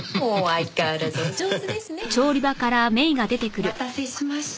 お待たせしました。